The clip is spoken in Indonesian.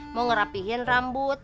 mau ngerapihin rambut